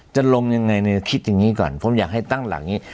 จะลงยังไงเนี่ยคิดอย่างนี้ก่อนผมอยากให้ตั้งหลักอย่างนี้